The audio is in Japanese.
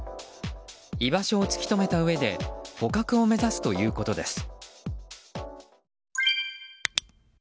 居場所を突き止めたうえで捕獲を目指すということです。